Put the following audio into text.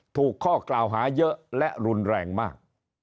ถูกข้อกล่าวหาเยอะและรุนแรงมาก